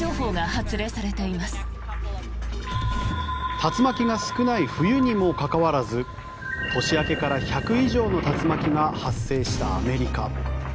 竜巻が少ない冬にもかかわらず年明けから１００以上の竜巻が発生したアメリカ。